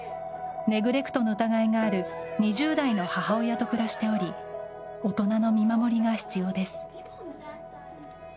ネグレクトの疑いがある２０代の母親と暮らしており大人の見守りが必要です。